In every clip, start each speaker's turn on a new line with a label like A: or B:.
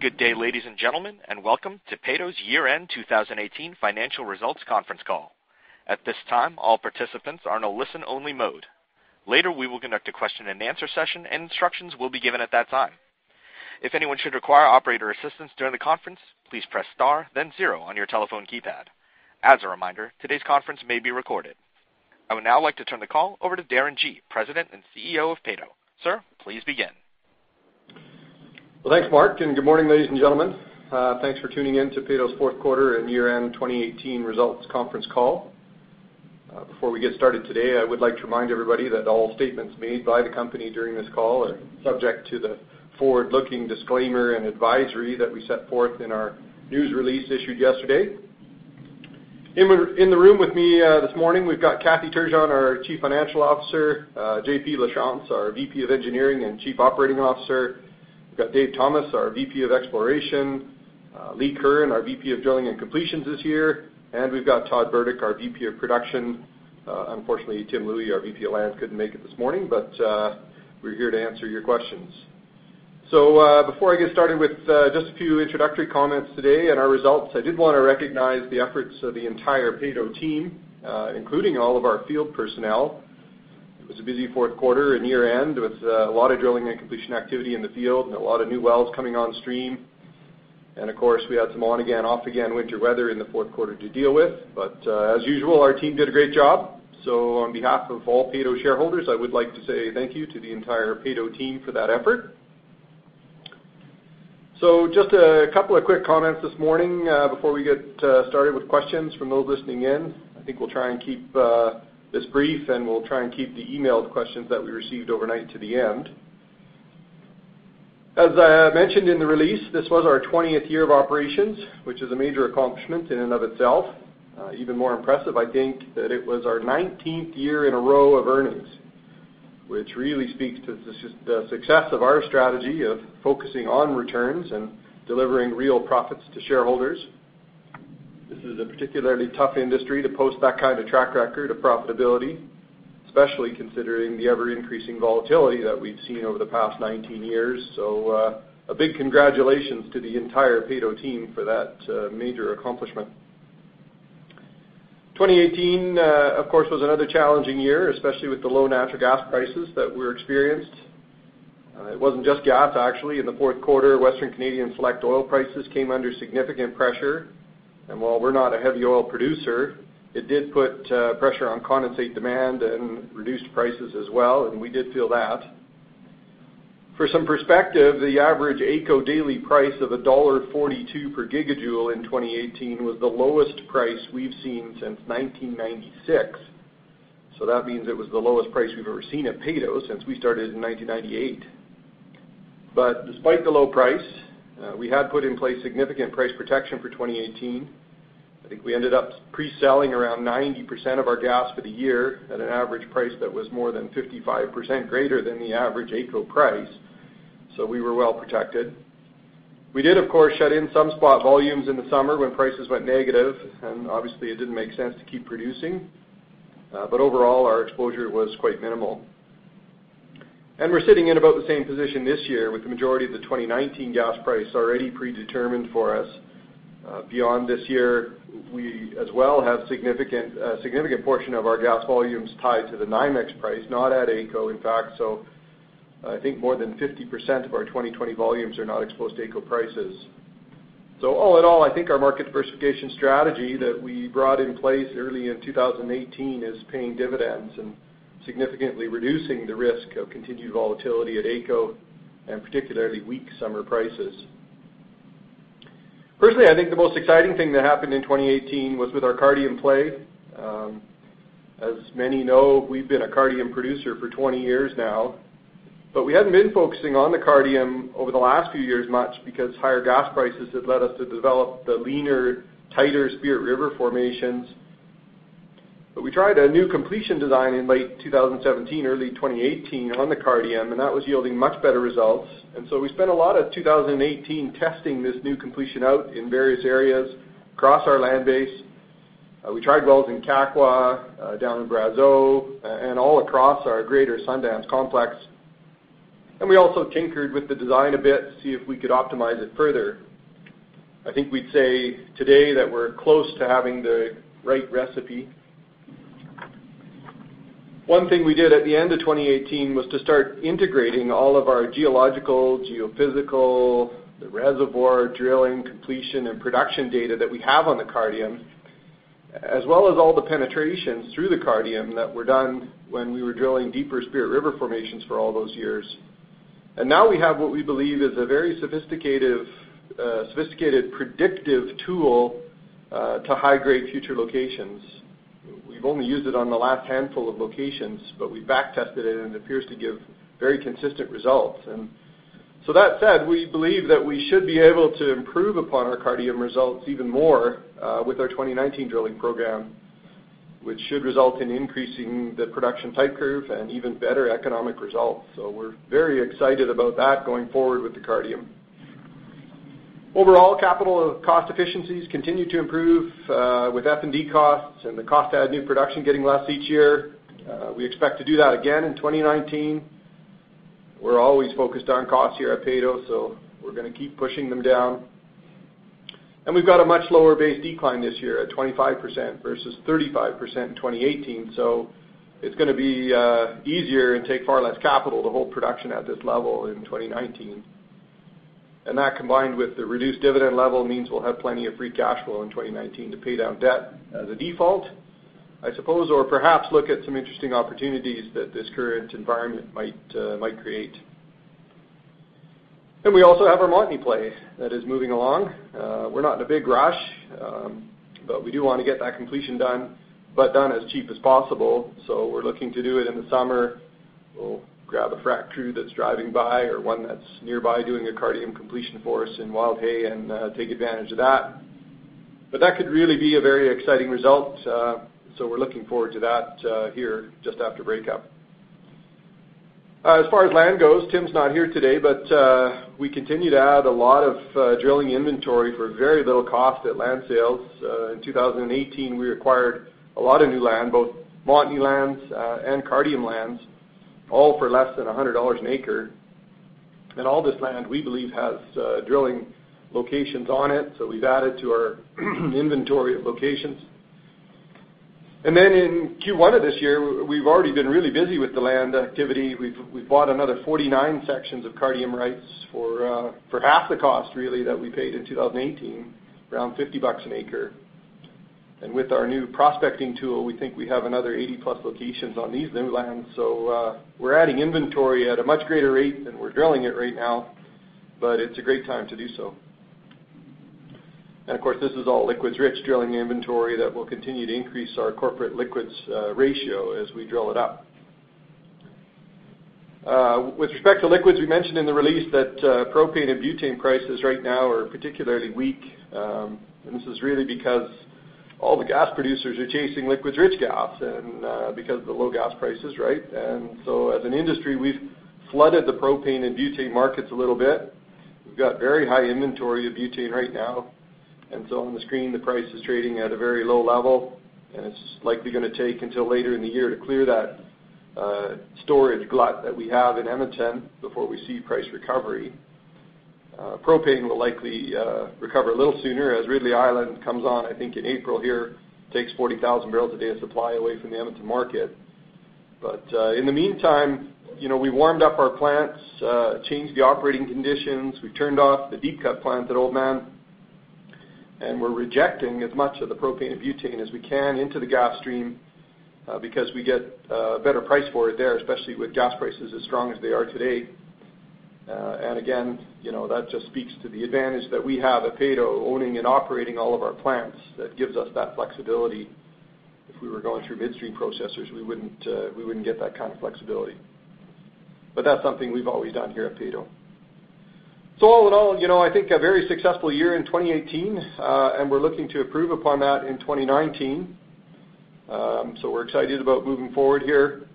A: Good day, ladies and gentlemen. Welcome to Peyto's year-end 2018 financial results conference call. At this time, all participants are in a listen-only mode. Later, we will conduct a question and answer session. Instructions will be given at that time. If anyone should require operator assistance during the conference, please press star then zero on your telephone keypad. As a reminder, today's conference may be recorded. I would now like to turn the call over to Darren Gee, President and CEO of Peyto. Sir, please begin.
B: Well, thanks, Mark. Good morning, ladies and gentlemen. Thanks for tuning in to Peyto's fourth quarter and year-end 2018 results conference call. Before we get started today, I would like to remind everybody that all statements made by the company during this call are subject to the forward-looking disclaimer and advisory that we set forth in our news release issued yesterday. In the room with me this morning, we've got Kathy Turgeon, our Chief Financial Officer, JP Lachance, our VP of Engineering and Chief Operating Officer. We've got Dave Thomas, our VP of Exploration, Lee Curran, our VP of Drilling and Completions this year, and we've got Todd Burdick, our VP of Production. Unfortunately, Tim Louie, our VP of Lands, couldn't make it this morning. We're here to answer your questions. Before I get started with just a few introductory comments today and our results, I did want to recognize the efforts of the entire Peyto team, including all of our field personnel. It was a busy fourth quarter and year-end with a lot of drilling and completion activity in the field and a lot of new wells coming on stream. Of course, we had some on-again, off-again winter weather in the fourth quarter to deal with. As usual, our team did a great job. On behalf of all Peyto shareholders, I would like to say thank you to the entire Peyto team for that effort. Just a couple of quick comments this morning before we get started with questions from those listening in. I think we'll try and keep this brief. We'll try and keep the emailed questions that we received overnight to the end. As I mentioned in the release, this was our 20th year of operations, which is a major accomplishment in and of itself. Even more impressive, I think, that it was our 19th year in a row of earnings, which really speaks to the success of our strategy of focusing on returns and delivering real profits to shareholders. This is a particularly tough industry to post that kind of track record of profitability, especially considering the ever-increasing volatility that we've seen over the past 19 years. A big congratulations to the entire Peyto team for that major accomplishment. 2018, of course, was another challenging year, especially with the low natural gas prices that were experienced. It wasn't just gas, actually. In the fourth quarter, Western Canadian Select oil prices came under significant pressure. While we're not a heavy oil producer, it did put pressure on condensate demand and reduced prices as well, and we did feel that. For some perspective, the average AECO daily price of dollar 1.42 per gigajoule in 2018 was the lowest price we've seen since 1996. That means it was the lowest price we've ever seen at Peyto since we started in 1998. Despite the low price, we had put in place significant price protection for 2018. I think we ended up pre-selling around 90% of our gas for the year at an average price that was more than 55% greater than the average AECO price. We were well protected. We did, of course, shed in some spot volumes in the summer when prices went negative, and obviously, it didn't make sense to keep producing. Overall, our exposure was quite minimal. We're sitting in about the same position this year with the majority of the 2019 gas price already predetermined for us. Beyond this year, we as well have a significant portion of our gas volumes tied to the NYMEX price, not at AECO, in fact. I think more than 50% of our 2020 volumes are not exposed to AECO prices. All in all, I think our market diversification strategy that we brought in place early in 2018 is paying dividends and significantly reducing the risk of continued volatility at AECO and particularly weak summer prices. Personally, I think the most exciting thing that happened in 2018 was with our Cardium play. As many know, we've been a Cardium producer for 20 years now, we hadn't been focusing on the Cardium over the last few years much because higher gas prices had led us to develop the leaner, tighter Spirit River formations. We tried a new completion design in late 2017, early 2018 on the Cardium, and that was yielding much better results. We spent a lot of 2018 testing this new completion out in various areas across our land base. We tried wells in Kakwa, down in Brazeau, and all across our greater Sundance complex. We also tinkered with the design a bit to see if we could optimize it further. I think we'd say today that we're close to having the right recipe. One thing we did at the end of 2018 was to start integrating all of our geological, geophysical, the reservoir, drilling, completion, and production data that we have on the Cardium as well as all the penetrations through the Cardium that were done when we were drilling deeper Spirit River formations for all those years. Now we have what we believe is a very sophisticated predictive tool to high-grade future locations. We've only used it on the last handful of locations, we back-tested it, and it appears to give very consistent results. That said, we believe that we should be able to improve upon our Cardium results even more with our 2019 drilling program, which should result in increasing the production type curve and even better economic results. We're very excited about that going forward with the Cardium. Overall capital cost efficiencies continue to improve with F&D costs and the cost to add new production getting less each year. We expect to do that again in 2019. We're always focused on costs here at Peyto, so we're going to keep pushing them down. We've got a much lower base decline this year at 25% versus 35% in 2018. It's going to be easier and take far less capital to hold production at this level in 2019. That, combined with the reduced dividend level, means we'll have plenty of free cash flow in 2019 to pay down debt as a default, I suppose, or perhaps look at some interesting opportunities that this current environment might create. We also have our Montney play that is moving along. We're not in a big rush, but we do want to get that completion done, but done as cheap as possible, so we're looking to do it in the summer. We'll grab a frac crew that's driving by or one that's nearby doing a Cardium completion for us in Wildhay and take advantage of that. That could really be a very exciting result. We're looking forward to that here just after breakup. As far as land goes, Tim's not here today, but we continue to add a lot of drilling inventory for very little cost at land sales. In 2018, we acquired a lot of new land, both Montney lands, and Cardium lands, all for less than 100 dollars an acre. All this land, we believe, has drilling locations on it, so we've added to our inventory of locations. In Q1 of this year, we've already been really busy with the land activity. We've bought another 49 sections of Cardium rights for half the cost, really, that we paid in 2018, around 50 bucks an acre. With our new prospecting tool, we think we have another 80-plus locations on these new lands. We're adding inventory at a much greater rate than we're drilling it right now, but it's a great time to do so. Of course, this is all liquids-rich drilling inventory that will continue to increase our corporate liquids ratio as we drill it up. With respect to liquids, we mentioned in the release that propane and butane prices right now are particularly weak. This is really because all the gas producers are chasing liquids-rich gas and because of the low gas prices. As an industry, we've flooded the propane and butane markets a little bit. We've got very high inventory of butane right now, and so on the screen, the price is trading at a very low level, and it's likely going to take until later in the year to clear that storage glut that we have in Edmonton before we see price recovery. Propane will likely recover a little sooner as Ridley Island comes on, I think, in April here, takes 40,000 barrels a day of supply away from the Edmonton market. In the meantime, we warmed up our plants, changed the operating conditions. We turned off the Deep Cut plant at Wildhay, we're rejecting as much of the propane and butane as we can into the gas stream because we get a better price for it there, especially with gas prices as strong as they are today. Again, that just speaks to the advantage that we have at Peyto owning and operating all of our plants that gives us that flexibility. If we were going through midstream processors, we wouldn't get that kind of flexibility. That's something we've always done here at Peyto. All in all, I think a very successful year in 2018, we're looking to improve upon that in 2019. We're excited about moving forward here.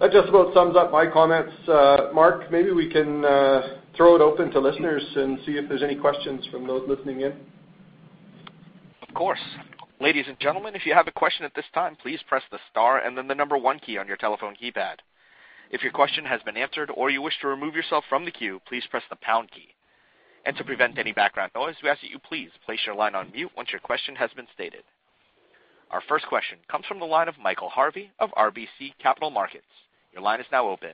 B: That just about sums up my comments. Mark, maybe we can throw it open to listeners and see if there's any questions from those listening in.
A: Of course. Ladies and gentlemen, if you have a question at this time, please press the star and then the number one key on your telephone keypad. If your question has been answered or you wish to remove yourself from the queue, please press the pound key. To prevent any background noise, we ask that you please place your line on mute once your question has been stated. Our first question comes from the line of Michael Harvey of RBC Capital Markets. Your line is now open.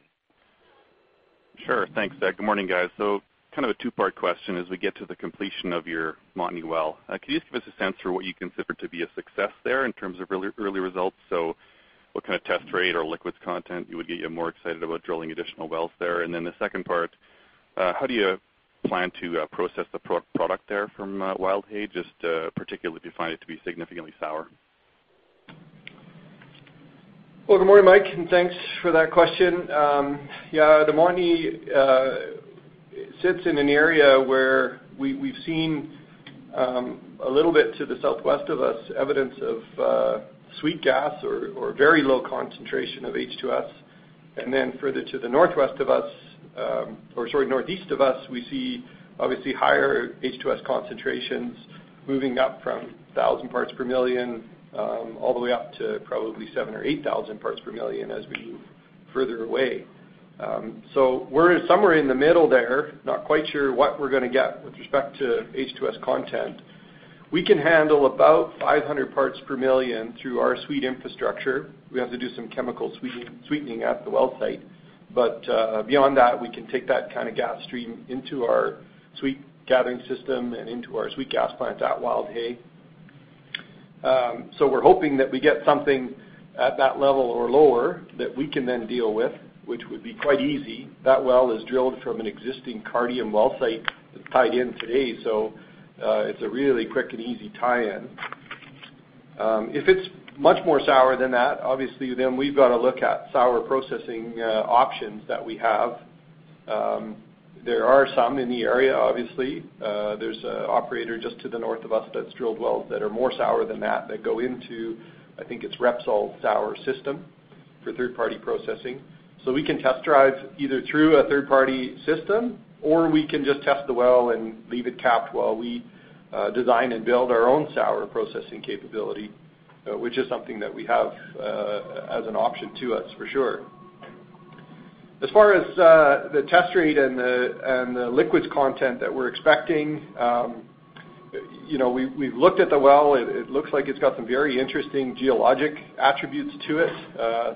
C: Sure. Thanks. Good morning, guys. Kind of a two-part question as we get to the completion of your Montney well. Can you just give us a sense for what you consider to be a success there in terms of early results? What kind of test rate or liquids content would get you more excited about drilling additional wells there? The second part, how do you plan to process the product there from Wildhay, just particularly if you find it to be significantly sour?
B: Good morning, Mike, thanks for that question. The Montney sits in an area where we've seen a little bit to the southwest of us evidence of sweet gas or very low concentration of H2S. Further to the northwest of us, or, sorry, northeast of us, we see obviously higher H2S concentrations moving up from 1,000 parts per million all the way up to probably 7 or 8,000 parts per million as we move further away. We're somewhere in the middle there, not quite sure what we're going to get with respect to H2S content. We can handle about 500 parts per million through our sweet infrastructure. We have to do some chemical sweetening at the well site. Beyond that, we can take that kind of gas stream into our sweet gathering system and into our sweet gas plants at Wildhay. We're hoping that we get something at that level or lower that we can then deal with, which would be quite easy. That well is drilled from an existing Cardium well site that's tied in today, it's a really quick and easy tie-in. If it's much more sour than that, obviously, then we've got to look at sour processing options that we have. There are some in the area, obviously. There's an operator just to the north of us that's drilled wells that are more sour than that go into, I think it's Repsol sour system for third-party processing. We can test drive either through a third-party system, or we can just test the well and leave it capped while we design and build our own sour processing capability, which is something that we have as an option to us for sure. As far as the test rate and the liquids content that we're expecting, we've looked at the well, it looks like it's got some very interesting geologic attributes to it,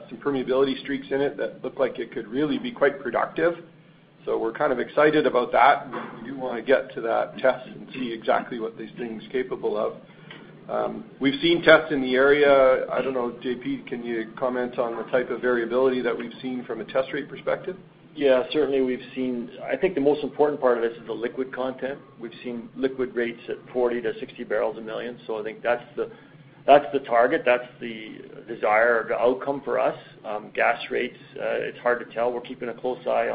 B: some permeability streaks in it that look like it could really be quite productive. We're excited about that. We do want to get to that test and see exactly what this thing's capable of. We've seen tests in the area. I don't know, JP, can you comment on the type of variability that we've seen from a test rate perspective?
D: Certainly, I think the most important part of this is the liquid content. We've seen liquid rates at 40 to 60 barrels a million, I think that's the target. That's the desired outcome for us. Gas rates, it's hard to tell. We're keeping a close eye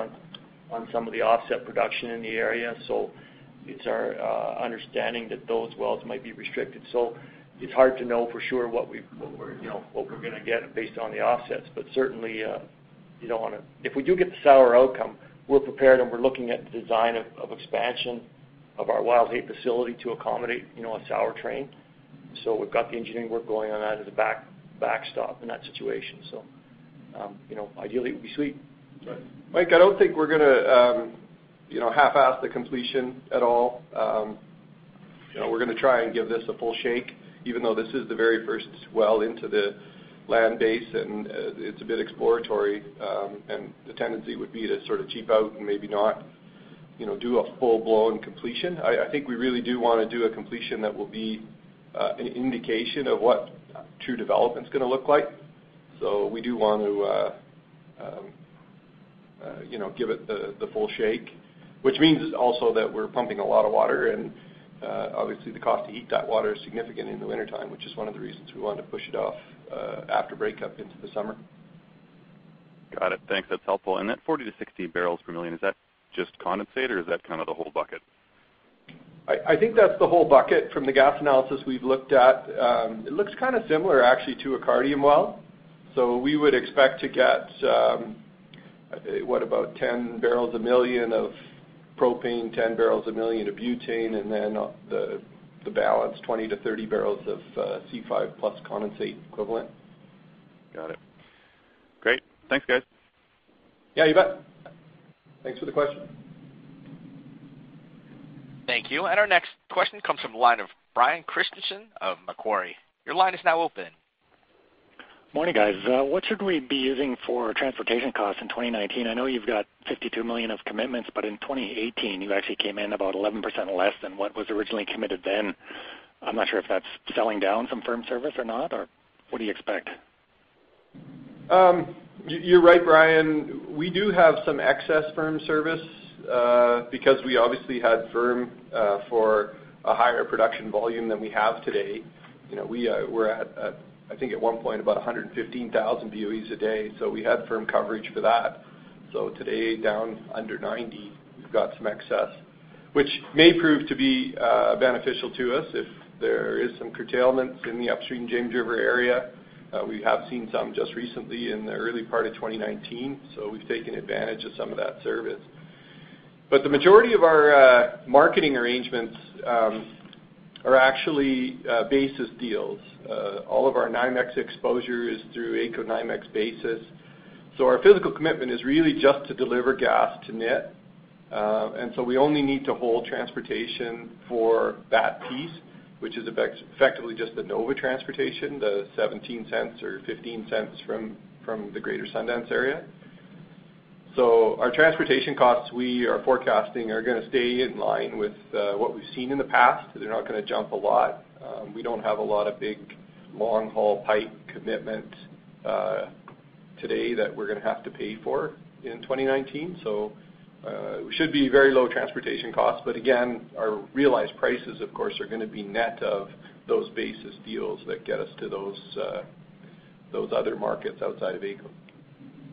D: on some of the offset production in the area. It's our understanding that those wells might be restricted. It's hard to know for sure what we're going to get based on the offsets. Certainly, if we do get the sour outcome, we're prepared and we're looking at the design of expansion of our Wildhay facility to accommodate a sour train. We've got the engineering work going on that as a backstop in that situation. Ideally, it would be sweet.
B: Right. Mike, I don't think we're going to half-ass the completion at all. We're going to try and give this a full shake, even though this is the very first well into the land base, and it's a bit exploratory. The tendency would be to cheap out and maybe not do a full-blown completion. I think we really do want to do a completion that will be an indication of what true development's going to look like. We do want to give it the full shake, which means also that we're pumping a lot of water, and obviously the cost to heat that water is significant in the wintertime, which is one of the reasons we wanted to push it off after breakup into the summer.
C: Got it. Thanks. That's helpful. That 40-60 barrels per million, is that just condensate, or is that the whole bucket?
B: I think that's the whole bucket from the gas analysis we've looked at. It looks similar, actually, to a Cardium well. We would expect to get about 10 barrels per million of propane, 10 barrels per million of butane, then the balance, 20-30 barrels of C5+ condensate equivalent.
C: Got it. Great. Thanks, guys.
B: Yeah, you bet. Thanks for the question.
A: Thank you. Our next question comes from the line of Brian Kristjansen of Macquarie. Your line is now open.
E: Morning, guys. What should we be using for transportation costs in 2019? I know you've got 52 million of commitments, but in 2018, you actually came in about 11% less than what was originally committed then. I'm not sure if that's selling down some firm service or not, or what do you expect?
B: You're right, Brian. We do have some excess firm service, because we obviously had firm for a higher production volume than we have today. We were at, I think, at one point, about 115,000 BOEs a day, we had firm coverage for that. Today, down under 90, we've got some excess, which may prove to be beneficial to us if there is some curtailment in the upstream James River area. We have seen some just recently in the early part of 2019, we've taken advantage of some of that service. The majority of our marketing arrangements are actually basis deals. All of our NYMEX exposure is through AECO NYMEX basis. Our physical commitment is really just to deliver gas to NIT. We only need to hold transportation for that piece, which is effectively just the NOVA transportation, the 0.17 or 0.15 from the greater Sundance area. Our transportation costs we are forecasting are going to stay in line with what we've seen in the past. They're not going to jump a lot. We don't have a lot of big, long-haul pipe commitment today that we're going to have to pay for in 2019. It should be very low transportation costs. Again, our realized prices, of course, are going to be net of those basis deals that get us to those other markets outside of AECO.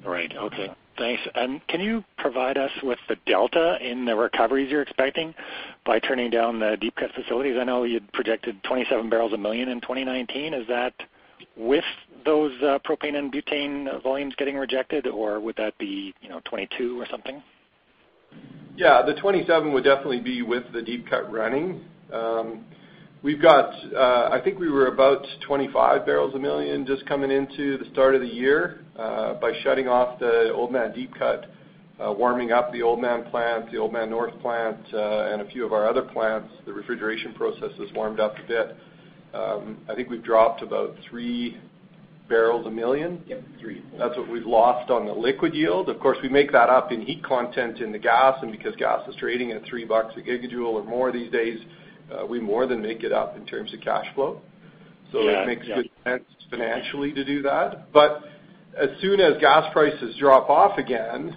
E: Okay. Thanks. Can you provide us with the delta in the recoveries you're expecting by turning down the Deep Cut facilities? I know you'd projected 27 barrels a million in 2019. Is that with those propane and butane volumes getting rejected, or would that be 22 or something?
B: Yeah, the 27 would definitely be with the Deep Cut running. I think we were about 25 barrels a million just coming into the start of the year. By shutting off the Old Man Deep Cut, warming up the Old Man plant, the Old Man North plant, and a few of our other plants, the refrigeration process has warmed up a bit. I think we've dropped about three barrels a million.
D: Three.
B: That's what we've lost on the liquid yield. Of course, we make that up in heat content in the gas, because gas is trading at 3 bucks a gigajoule or more these days, we more than make it up in terms of cash flow.
E: Yeah.
B: It makes good sense financially to do that. As soon as gas prices drop off again,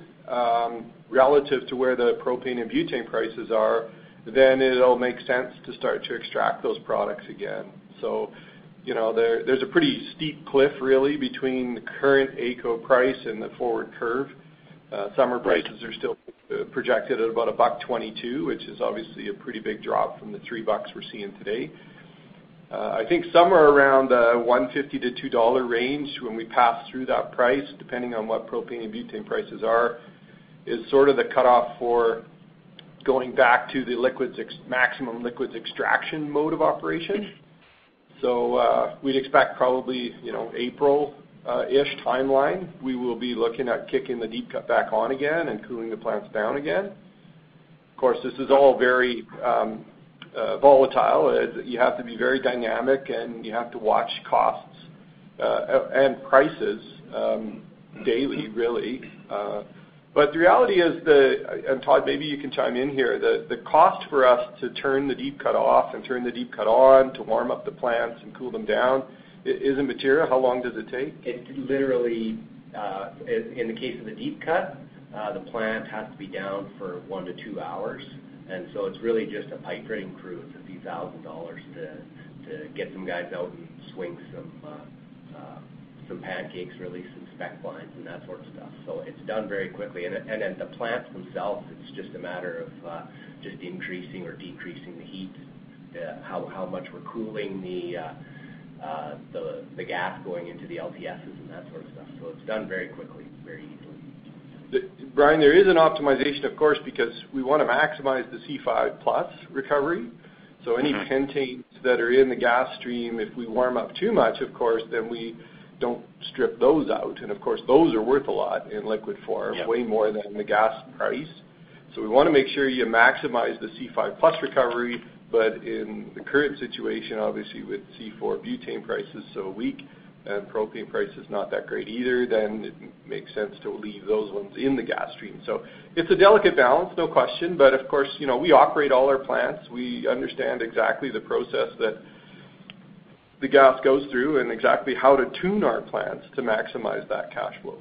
B: relative to where the propane and butane prices are, then it'll make sense to start to extract those products again. There's a pretty steep cliff, really, between the current AECO price and the forward curve. Summer prices are still projected at about 1.22, which is obviously a pretty big drop from the 3 bucks we're seeing today. I think somewhere around the 1.50-2 dollar range when we pass through that price, depending on what propane and butane prices are, is sort of the cutoff for going back to the maximum liquids extraction mode of operation. We'd expect probably April-ish timeline. We will be looking at kicking the Deep Cut back on again and cooling the plants down again. Of course, this is all very volatile. You have to be very dynamic, and you have to watch costs and prices daily, really. The reality is, and Todd, maybe you can chime in here, the cost for us to turn the Deep Cut off and turn the Deep Cut on to warm up the plants and cool them down isn't material. How long does it take?
F: It's literally, in the case of a Deep Cut, the plant has to be down for one to two hours, and it's really just a pipe-draining crew. It's a few thousand CAD to get some guys out and swing some pancakes, really, some spec lines and that sort of stuff. It's done very quickly. Then the plants themselves, it's just a matter of just increasing or decreasing the heat, how much we're cooling the gas going into the LTSs and that sort of stuff. It's done very quickly, very easily.
B: Brian, there is an optimization, of course, because we want to maximize the C5+ recovery. Any pentanes that are in the gas stream, if we warm up too much, of course, then we don't strip those out, and of course, those are worth a lot in liquid form.
F: Yeah
B: We want to make sure you maximize the C5+ recovery. In the current situation, obviously, with C4 butane prices so weak and propane prices not that great either, then it makes sense to leave those ones in the gas stream. It's a delicate balance, no question, but of course, we operate all our plants. We understand exactly the process that the gas goes through and exactly how to tune our plants to maximize that cash flow.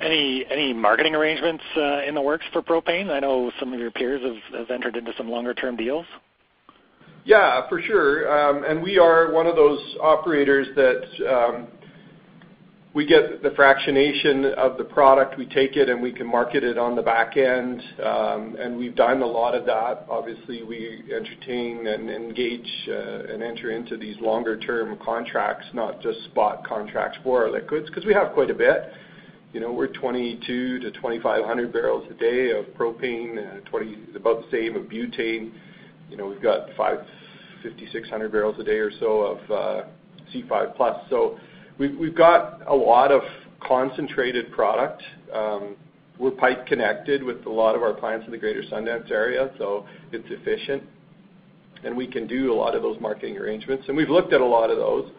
E: Any marketing arrangements in the works for propane? I know some of your peers have entered into some longer-term deals.
B: Yeah, for sure. We are one of those operators that we get the fractionation of the product, we take it, and we can market it on the back end, and we've done a lot of that. Obviously, we entertain and engage and enter into these longer-term contracts, not just spot contracts for our liquids, because we have quite a bit. We're 2,200 to 2,500 barrels a day of propane and about the same of butane. We've got 5,600 barrels a day or so of C5+. We've got a lot of concentrated product. We're pipe connected with a lot of our clients in the greater Sundance area, it's efficient, and we can do a lot of those marketing arrangements, and we've looked at a lot of those.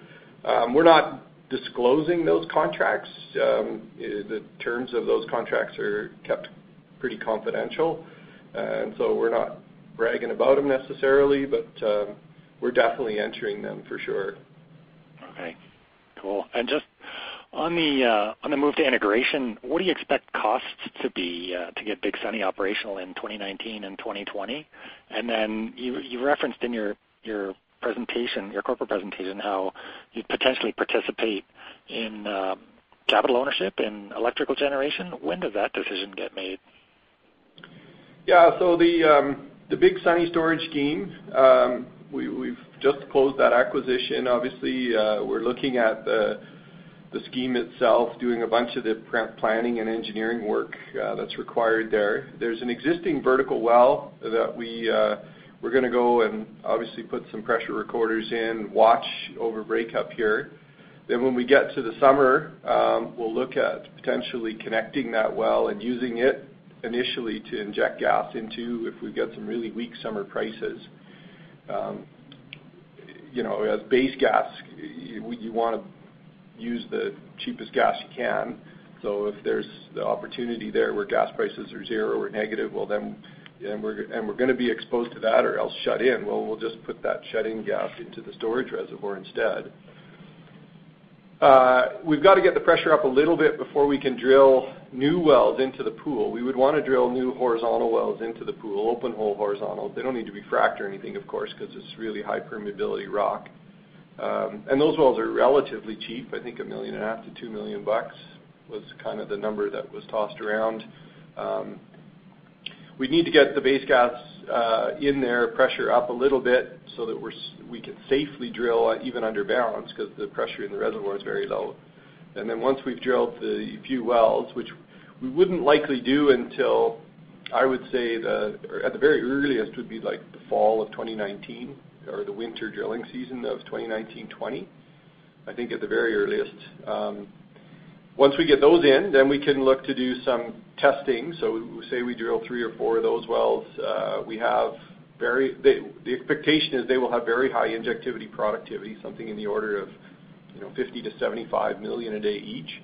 B: We're not disclosing those contracts. The terms of those contracts are kept pretty confidential, we're not bragging about them necessarily, but we're definitely entering them for sure.
E: Okay, cool. Just on the move to integration, what do you expect costs to be to get Big Sunny operational in 2019 and 2020? You referenced in your corporate presentation how you'd potentially participate in capital ownership in electrical generation. When does that decision get made?
B: Yeah. The Big Sunny storage scheme, we've just closed that acquisition. Obviously, we're looking at the scheme itself, doing a bunch of the planning and engineering work that's required there. There's an existing vertical well that we're going to go and obviously put some pressure recorders in, watch over breakup here. When we get to the summer, we'll look at potentially connecting that well and using it initially to inject gas into if we've got some really weak summer prices. As base gas, you want to use the cheapest gas you can. If there's the opportunity there where gas prices are zero or negative, and we're going to be exposed to that or else shut in, well, we'll just put that shut-in gas into the storage reservoir instead. We've got to get the pressure up a little bit before we can drill new wells into the pool. We would want to drill new horizontal wells into the pool, open-hole horizontal. They don't need to be fracked or anything, of course, because it's really high permeability rock. Those wells are relatively cheap. I think 1.5 million-2 million bucks was kind of the number that was tossed around. We need to get the base gas in there, pressure up a little bit so that we can safely drill even under balance because the pressure in the reservoir is very low. Once we've drilled the few wells, which we wouldn't likely do until, I would say, at the very earliest, would be like the fall of 2019 or the winter drilling season of 2019/20, I think at the very earliest. Once we get those in, we can look to do some testing. Say we drill three or four of those wells, the expectation is they will have very high injectivity productivity, something in the order of 50 million-75 million a day each.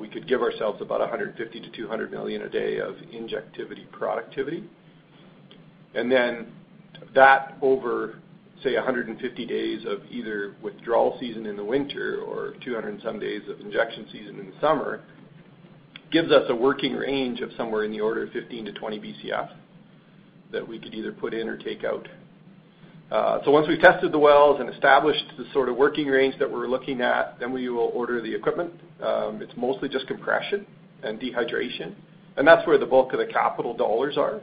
B: We could give ourselves about 150 million-200 million a day of injectivity productivity. That over, say, 150 days of either withdrawal season in the winter or 200 and some days of injection season in the summer gives us a working range of somewhere in the order of 15 BCF-20 BCF that we could either put in or take out. Once we've tested the wells and established the sort of working range that we're looking at, we will order the equipment. It's mostly just compression and dehydration, and that's where the bulk of the capital dollars are.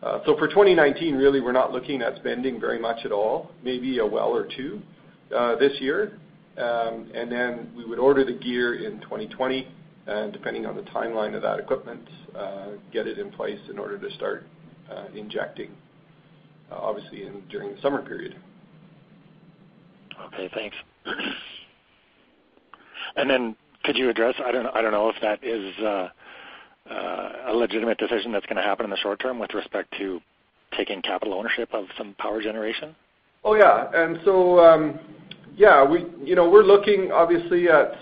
B: For 2019, really, we're not looking at spending very much at all, maybe a well or two this year. We would order the gear in 2020, and depending on the timeline of that equipment, get it in place in order to start injecting, obviously during the summer period.
E: Okay, thanks. Could you address, I don't know if that is a legitimate decision that's going to happen in the short term with respect to taking capital ownership of some power generation.
B: Oh, yeah. We're looking, obviously, at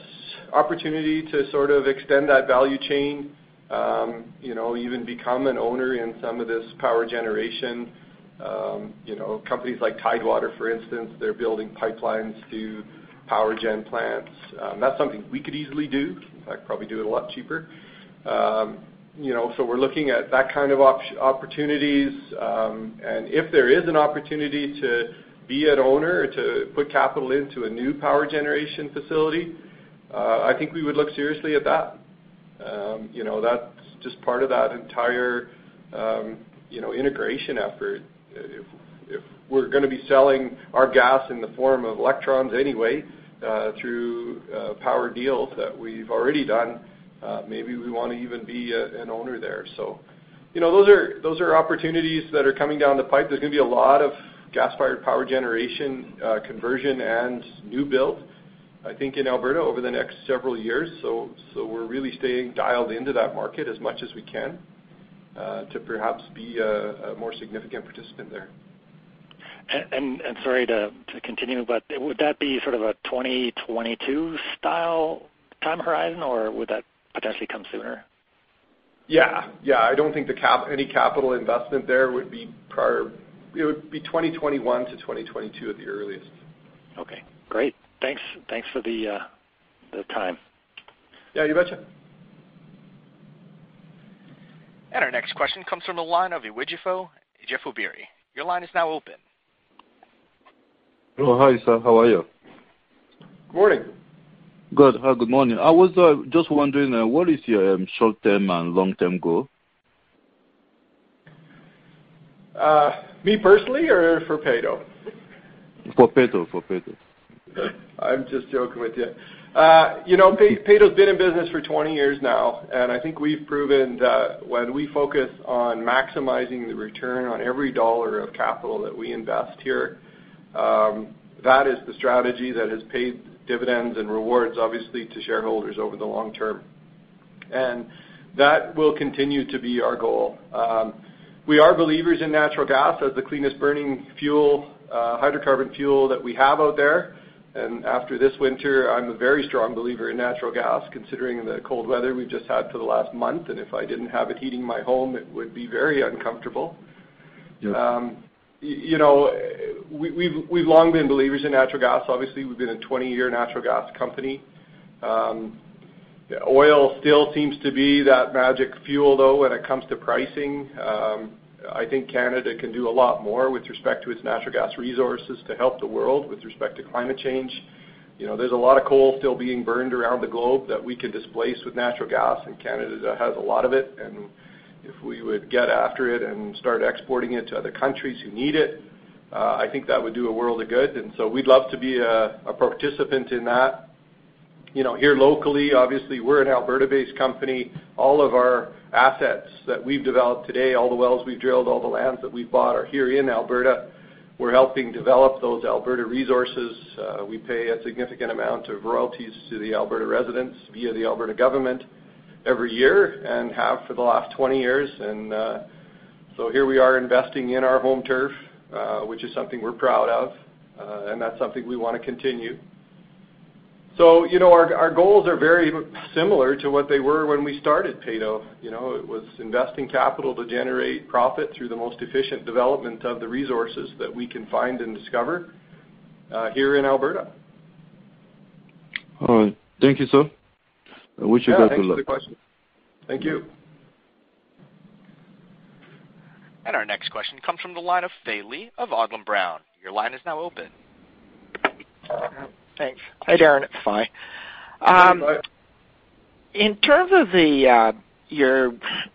B: opportunity to sort of extend that value chain, even become an owner in some of this power generation. Companies like Tidewater, for instance, they're building pipelines to power gen plants. That's something we could easily do. In fact, probably do it a lot cheaper. We're looking at that kind of opportunities. If there is an opportunity to be an owner to put capital into a new power generation facility, I think we would look seriously at that. That's just part of that entire integration effort. If we're going to be selling our gas in the form of electrons anyway through power deals that we've already done, maybe we want to even be an owner there. Those are opportunities that are coming down the pipe. There's going to be a lot of gas-fired power generation conversion and new build, I think, in Alberta over the next several years. We're really staying dialed into that market as much as we can, to perhaps be a more significant participant there.
E: Sorry to continue, but would that be sort of a 2022 style time horizon, or would that potentially come sooner?
B: Yeah. I don't think any capital investment there would be 2021 to 2022 at the earliest.
E: Okay, great. Thanks for the time.
B: Yeah, you betcha.
A: Our next question comes from the line of Ewijfo E jefobiri. Your line is now open.
G: Oh, hi, sir. How are you?
B: Good morning.
G: Good. Good morning. I was just wondering what is your short-term and long-term goal?
B: Me personally or for Peyto?
G: For Peyto.
B: I'm just joking with you. Peyto's been in business for 20 years now, and I think we've proven that when we focus on maximizing the return on every dollar of capital that we invest here, that is the strategy that has paid dividends and rewards, obviously, to shareholders over the long term. That will continue to be our goal. We are believers in natural gas as the cleanest burning fuel, hydrocarbon fuel that we have out there. After this winter, I'm a very strong believer in natural gas, considering the cold weather we've just had for the last month. If I didn't have it heating my home, it would be very uncomfortable.
G: Yeah.
B: We've long been believers in natural gas. Obviously, we've been a 20-year natural gas company. Oil still seems to be that magic fuel, though, when it comes to pricing. I think Canada can do a lot more with respect to its natural gas resources to help the world with respect to climate change. There's a lot of coal still being burned around the globe that we could displace with natural gas, and Canada has a lot of it, and if we would get after it and start exporting it to other countries who need it, I think that would do a world of good. We'd love to be a participant in that. Here locally, obviously, we're an Alberta-based company. All of our assets that we've developed today, all the wells we've drilled, all the lands that we've bought are here in Alberta. We're helping develop those Alberta resources. We pay a significant amount of royalties to the Alberta residents via the Alberta government every year and have for the last 20 years. Here we are investing in our home turf, which is something we're proud of. That's something we want to continue. Our goals are very similar to what they were when we started Peyto. It was investing capital to generate profit through the most efficient development of the resources that we can find and discover here in Alberta.
G: All right. Thank you, sir. I wish you guys good luck.
B: Yeah. Thanks for the question. Thank you.
A: Our next question comes from the line of Fai Lee of Odlum Brown. Your line is now open.
H: Thanks. Hi, Darren. It's Fai.
B: Hey, Fai.
H: In terms of your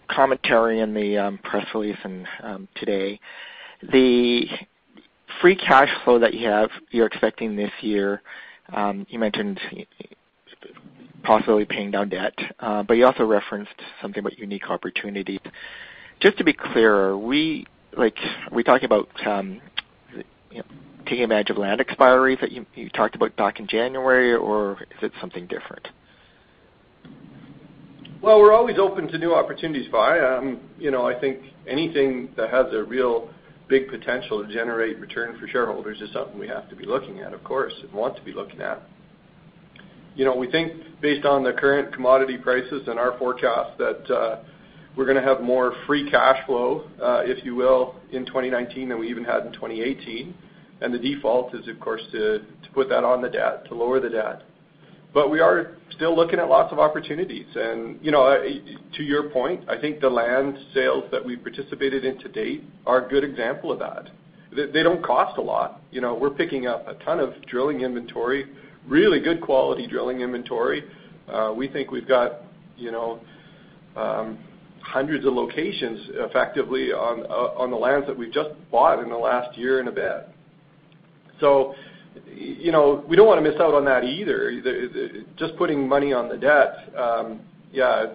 H: commentary in the press release and today, the free cash flow that you have, you're expecting this year, you mentioned possibly paying down debt. You also referenced something about unique opportunities. Just to be clear, are we talking about taking advantage of land expiries that you talked about back in January, or is it something different?
B: Well, we're always open to new opportunities, Fai. I think anything that has a real big potential to generate return for shareholders is something we have to be looking at, of course, and want to be looking at. We think based on the current commodity prices and our forecast that we're going to have more free cash flow, if you will, in 2019 than we even had in 2018. The default is, of course, to put that on the debt, to lower the debt. We are still looking at lots of opportunities, and to your point, I think the land sales that we've participated in to date are a good example of that. They don't cost a lot. We're picking up a ton of drilling inventory, really good quality drilling inventory. We think we've got hundreds of locations effectively on the lands that we've just bought in the last year and a bit. We don't want to miss out on that either. Just putting money on the debt, yeah,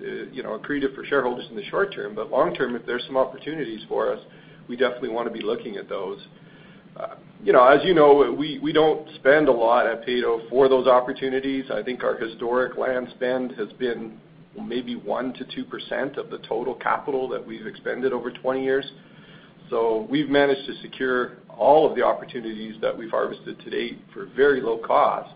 B: it's accretive for shareholders in the short term, long term, if there's some opportunities for us, we definitely want to be looking at those. As you know, we don't spend a lot at Peyto for those opportunities. I think our historic land spend has been maybe 1% to 2% of the total capital that we've expended over 20 years. We've managed to secure all of the opportunities that we've harvested to date for a very low cost.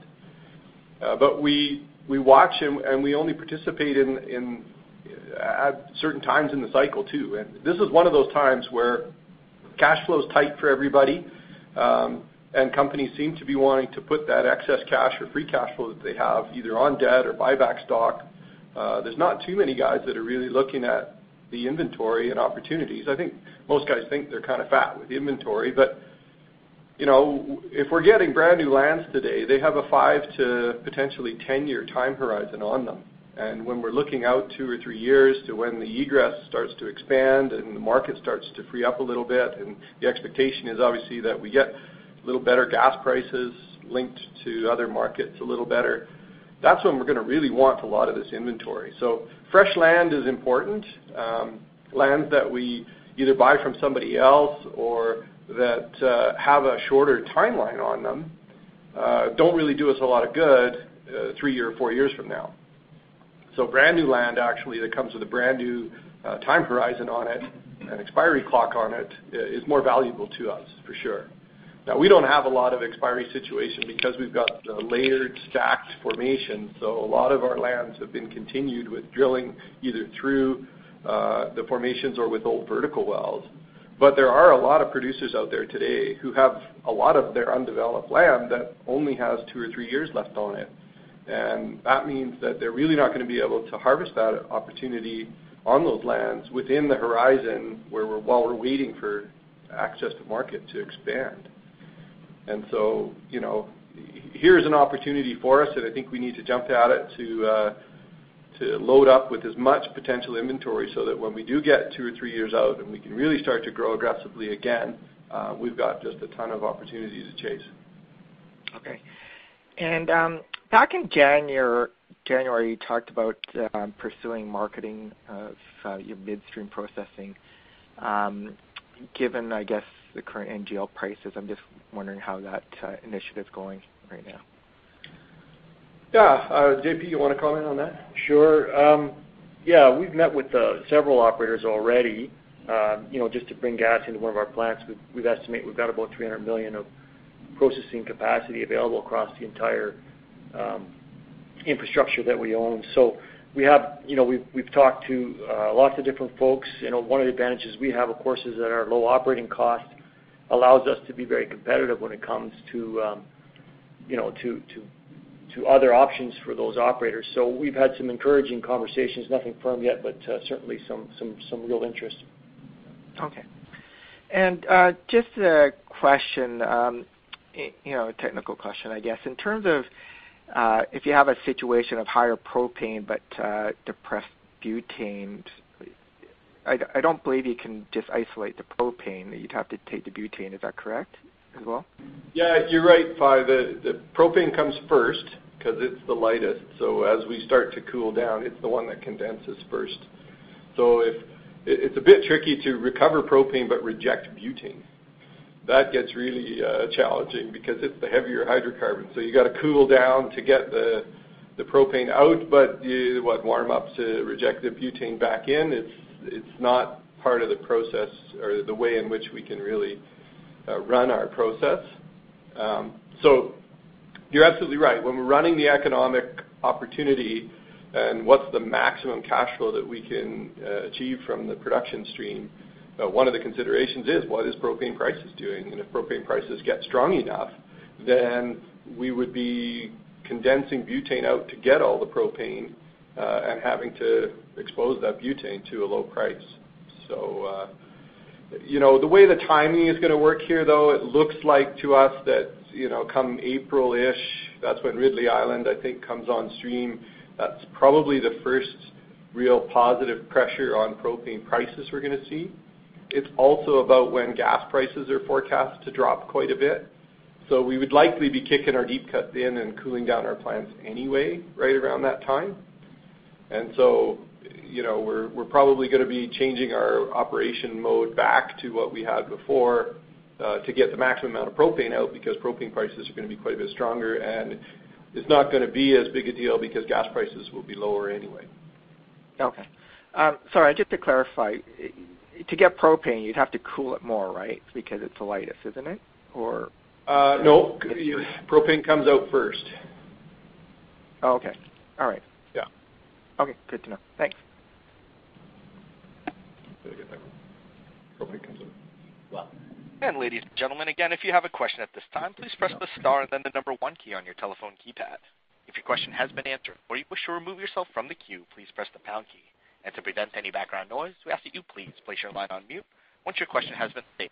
B: We watch and we only participate at certain times in the cycle, too. This is one of those times where cash flow's tight for everybody, companies seem to be wanting to put that excess cash or free cash flow that they have either on debt or buyback stock. There's not too many guys that are really looking at the inventory and opportunities. I think most guys think they're kind of fat with the inventory, if we're getting brand-new lands today, they have a five to potentially 10-year time horizon on them. When we're looking out two or three years to when the egress starts to expand the market starts to free up a little bit, the expectation is obviously that we get a little better gas prices linked to other markets a little better, that's when we're going to really want a lot of this inventory. Fresh land is important. Lands that we either buy from somebody else or that have a shorter timeline on them don't really do us a lot of good three or four years from now. Brand-new land actually that comes with a brand-new time horizon on it and expiry clock on it is more valuable to us, for sure. We don't have a lot of expiry situation because we've got layered stacked formation, a lot of our lands have been continued with drilling, either through the formations or with old vertical wells. There are a lot of producers out there today who have a lot of their undeveloped land that only has two or three years left on it. That means that they're really not going to be able to harvest that opportunity on those lands within the horizon while we're waiting for access to market to expand. Here's an opportunity for us, I think we need to jump at it to load up with as much potential inventory so that when we do get two or three years out we can really start to grow aggressively again, we've got just a ton of opportunities to chase.
H: Okay. Back in January, you talked about pursuing marketing of your midstream processing. Given, I guess, the current NGL prices, I'm just wondering how that initiative's going right now.
B: Yeah. JP, you want to comment on that?
D: Sure. Yeah, we've met with several operators already just to bring gas into one of our plants. We've estimated we've got about 300 million of processing capacity available across the entire infrastructure that we own. We've talked to lots of different folks. One of the advantages we have, of course, is that our low operating cost allows us to be very competitive when it comes to other options for those operators. We've had some encouraging conversations. Nothing firm yet, but certainly some real interest.
H: Okay. Just a technical question, I guess. In terms of if you have a situation of higher propane but depressed butane, I don't believe you can just isolate the propane, that you'd have to take the butane. Is that correct as well?
B: You are right, Fay. The propane comes first because it is the lightest. As we start to cool down, it is the one that condenses first. It is a bit tricky to recover propane but reject butane. That gets really challenging because it is the heavier hydrocarbon. You got to cool down to get the propane out, but you would warm up to reject the butane back in. It is not part of the process or the way in which we can really run our process. You are absolutely right. When we are running the economic opportunity and what is the maximum cash flow that we can achieve from the production stream, one of the considerations is what is propane prices doing? If propane prices get strong enough, then we would be condensing butane out to get all the propane and having to expose that butane to a low price. The way the timing is going to work here, though, it looks like to us that come April-ish, that is when Ridley Island, I think, comes on stream. That is probably the first real positive pressure on propane prices we are going to see. It is also about when gas prices are forecast to drop quite a bit. We would likely be kicking our Deep Cuts in and cooling down our plants anyway right around that time. We are probably going to be changing our operation mode back to what we had before to get the maximum amount of propane out, because propane prices are going to be quite a bit stronger, and it is not going to be as big a deal because gas prices will be lower anyway.
H: Okay. Sorry, just to clarify, to get propane, you would have to cool it more, right? Because it is the lightest, is not it? Or
B: No. Propane comes out first.
H: Oh, okay. All right.
B: Yeah.
H: Okay, good to know. Thanks.
B: Did I get that wrong? Propane comes out.
I: Well--
A: Ladies and gentlemen, again, if you have a question at this time, please press the star and then the number 1 key on your telephone keypad. If your question has been answered, or you wish to remove yourself from the queue, please press the pound key. To prevent any background noise, we ask that you please place your line on mute once your question has been stated.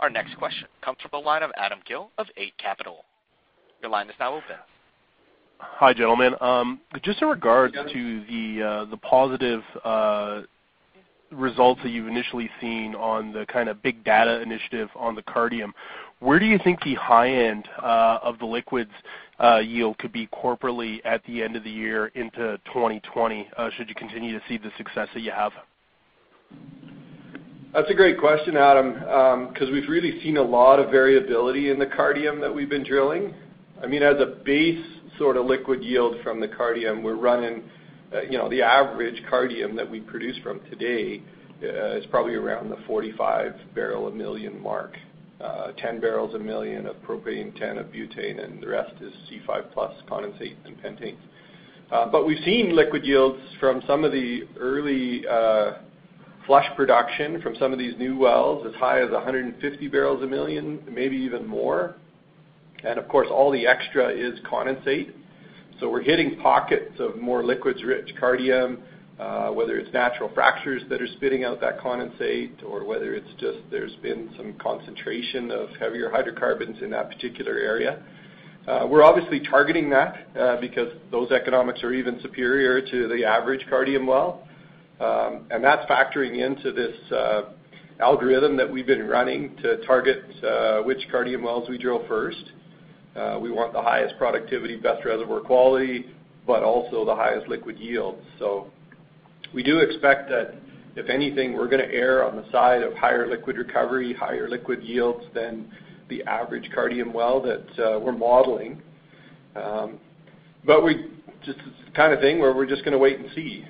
A: Our next question comes from the line of Adam Gill of Eight Capital. Your line is now open.
J: Hi, gentlemen. In regard to the positive results that you've initially seen on the big data initiative on the Cardium, where do you think the high end of the liquids yield could be corporately at the end of the year into 2020, should you continue to see the success that you have?
B: That's a great question, Adam, because we've really seen a lot of variability in the Cardium that we've been drilling. As a base sort of liquid yield from the Cardium, the average Cardium that we produce from today is probably around the 45 barrels a million mark, 10 barrels a million of propane, 10 of butane, and the rest is C5+ condensate and pentanes. We've seen liquid yields from some of the early flush production from some of these new wells as high as 150 barrels a million, maybe even more. Of course, all the extra is condensate. We're hitting pockets of more liquids-rich Cardium, whether it's natural fractures that are spitting out that condensate or whether it's just there's been some concentration of heavier hydrocarbons in that particular area. We're obviously targeting that because those economics are even superior to the average Cardium well, and that's factoring into this algorithm that we've been running to target which Cardium wells we drill first. We want the highest productivity, best reservoir quality, also the highest liquid yield. We do expect that, if anything, we're going to err on the side of higher liquid recovery, higher liquid yields than the average Cardium well that we're modeling. This is the kind of thing where we're just going to wait and see.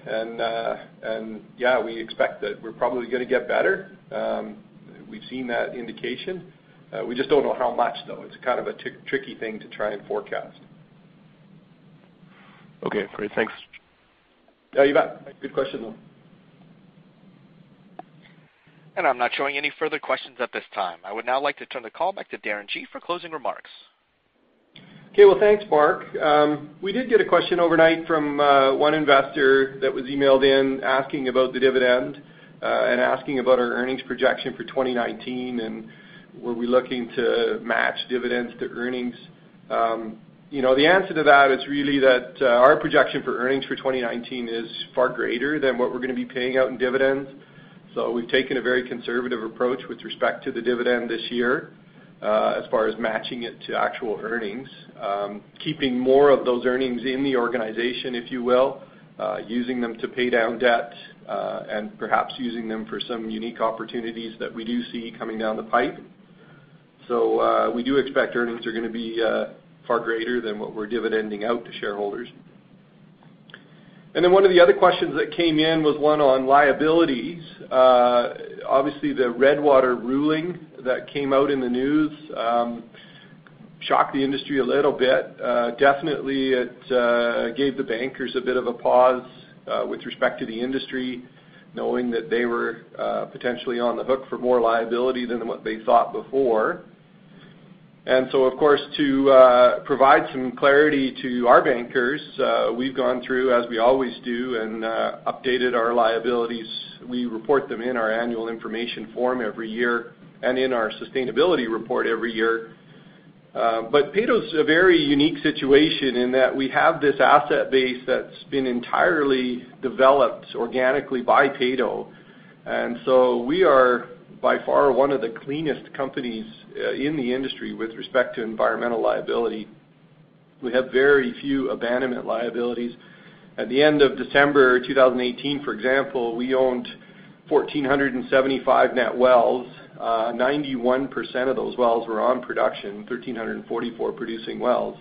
B: Yeah, we expect that we're probably going to get better. We've seen that indication. We just don't know how much, though. It's a tricky thing to try and forecast.
J: Okay, great. Thanks.
B: Yeah, you bet. Good question, though.
A: I'm not showing any further questions at this time. I would now like to turn the call back to Darren Gee for closing remarks.
B: Okay. Well, thanks, Mark. We did get a question overnight from one investor that was emailed in asking about the dividend and asking about our earnings projection for 2019, were we looking to match dividends to earnings. The answer to that is really that our projection for earnings for 2019 is far greater than what we're going to be paying out in dividends. We've taken a very conservative approach with respect to the dividend this year as far as matching it to actual earnings, keeping more of those earnings in the organization, if you will, using them to pay down debt, perhaps using them for some unique opportunities that we do see coming down the pipe. We do expect earnings are going to be far greater than what we're dividending out to shareholders. One of the other questions that came in was one on liabilities. Obviously, the Redwater ruling that came out in the news shocked the industry a little bit. Definitely it gave the bankers a bit of a pause with respect to the industry, knowing that they were potentially on the hook for more liability than what they thought before. Of course, to provide some clarity to our bankers, we've gone through, as we always do, and updated our liabilities. We report them in our annual information form every year and in our sustainability report every year. Peyto's a very unique situation in that we have this asset base that's been entirely developed organically by Peyto, we are by far one of the cleanest companies in the industry with respect to environmental liability. We have very few abandonment liabilities. At the end of December 2018, for example, we owned 1,475 net wells. 91% of those wells were on production, 1,344 producing wells.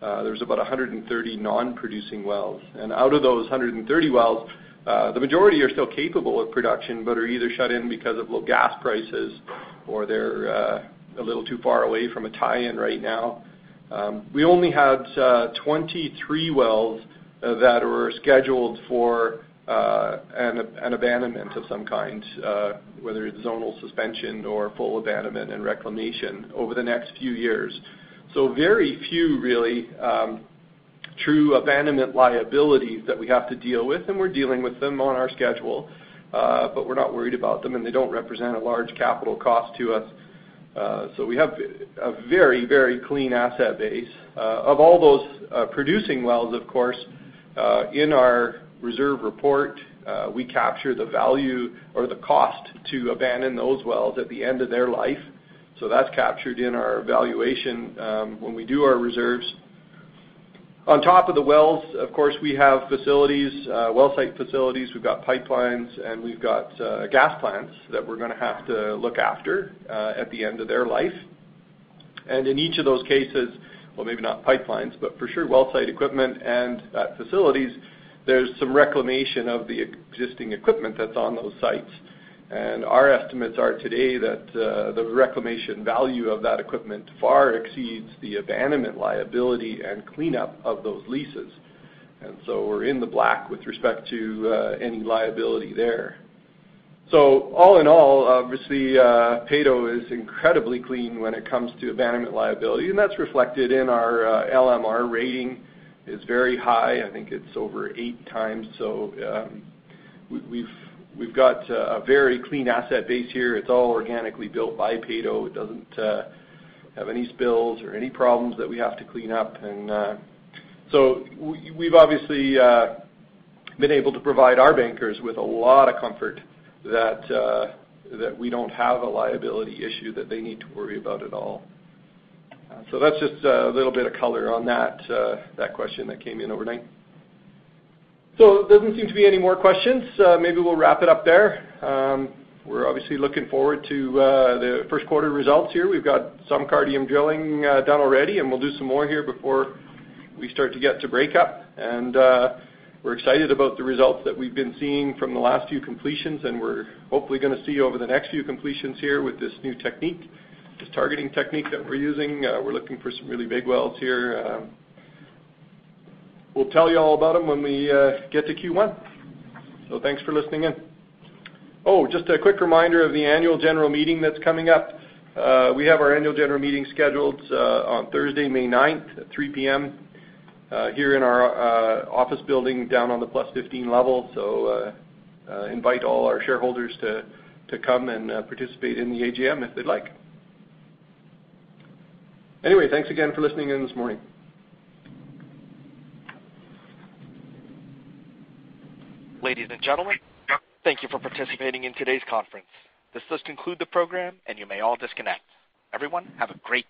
B: There's about 130 non-producing wells, and out of those 130 wells, the majority are still capable of production but are either shut in because of low gas prices or they're a little too far away from a tie-in right now. We only had 23 wells that were scheduled for an abandonment of some kind, whether it's zonal suspension or full abandonment and reclamation over the next few years. Very few really true abandonment liabilities that we have to deal with, and we're dealing with them on our schedule, but we're not worried about them, and they don't represent a large capital cost to us. We have a very clean asset base. Of all those producing wells, of course, in our reserve report, we capture the value or the cost to abandon those wells at the end of their life. That's captured in our valuation when we do our reserves. On top of the wells, of course, we have well site facilities, we've got pipelines, and we've got gas plants that we're going to have to look after at the end of their life. In each of those cases-- well, maybe not pipelines, but for sure well site equipment and facilities, there's some reclamation of the existing equipment that's on those sites. Our estimates are today that the reclamation value of that equipment far exceeds the abandonment liability and cleanup of those leases. We're in the black with respect to any liability there. All in all, obviously, Peyto is incredibly clean when it comes to abandonment liability, and that's reflected in our LMR rating. It's very high. I think it's over eight times. We've got a very clean asset base here. It's all organically built by Peyto. It doesn't have any spills or any problems that we have to clean up. We've obviously been able to provide our bankers with a lot of comfort that we don't have a liability issue that they need to worry about at all. That's just a little bit of color on that question that came in overnight. There doesn't seem to be any more questions. Maybe we'll wrap it up there. We're obviously looking forward to the first quarter results here. We've got some Cardium drilling done already, and we'll do some more here before we start to get to break up. We're excited about the results that we've been seeing from the last few completions, and we're hopefully going to see over the next few completions here with this new technique, this targeting technique that we're using. We're looking for some really big wells here. We'll tell you all about them when we get to Q1. Thanks for listening in. Oh, just a quick reminder of the annual general meeting that's coming up. We have our annual general meeting scheduled on Thursday, May 9th at 3:00 P.M. here in our office building down on the plus 15 level, so invite all our shareholders to come and participate in the AGM if they'd like. Anyway, thanks again for listening in this morning.
A: Ladies and gentlemen, thank you for participating in today's conference. This does conclude the program, and you may all disconnect. Everyone, have a great day